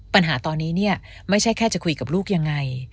ปัญหาตอนนี้เนี่ยไม่ใช่แค่จะคุยกับลูกยังไง